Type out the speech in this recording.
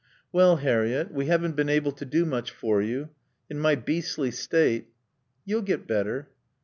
"Well, Harriett, we haven't been able to do much for you. In my beastly state " "You'll get better."